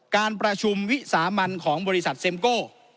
การประชุมวิสามันของบริษัทเซ็มโก้